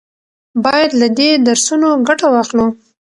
باید له دې درسونو ګټه واخلو.